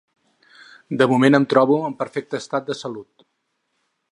De moment em trobo en perfecte estat de salut.